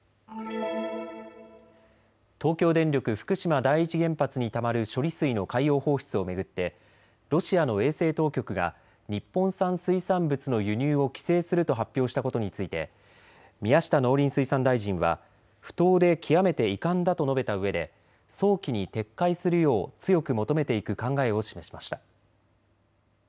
東京電力福島第一原発にたまる処理水の海洋放出を巡ってロシアの衛生当局が日本産水産物の輸入を規制すると発表したことについて宮下農林水産大臣は不当で極めて遺憾だと述べたうえで早期に撤回するよう強く求めていく考えを示しました。